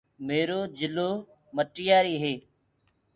ميرو جِلو مٽياريٚ هي